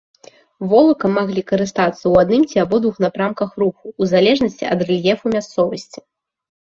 Волакам маглі карыстацца ў адным ці абодвух напрамках руху, у залежнасці ад рэльефу мясцовасці.